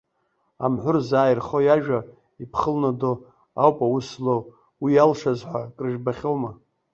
Амҳәыр зааирхо иажәа иԥхылнадо ауп аус злоу, уи иалшаз ҳәа акрыжәбахьоума!